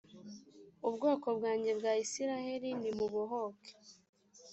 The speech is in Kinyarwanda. ubwoko bwanjye bwa isirayeli ni mubohoke